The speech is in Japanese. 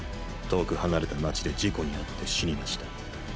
遠く離れた街で事故に遭って死にました。